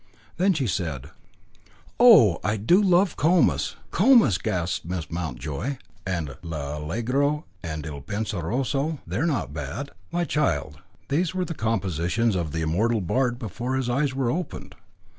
Then she said, "Oh! I do love Comus." "Comus!" gasped Miss Mountjoy. "And L'Allegro and Il Penseroso, they are not bad." "My child. These were the compositions of the immortal bard before his eyes were opened."